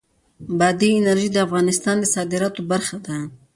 بادي انرژي د افغانستان د صادراتو برخه ده.